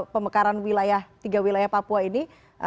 pemekaran wilayah tiga wilayah papua ini